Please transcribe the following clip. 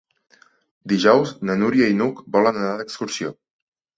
Dijous na Núria i n'Hug volen anar d'excursió.